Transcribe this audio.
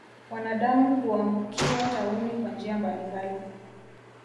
Wanadamu huambukiwa tauni kwa njia mbalimbali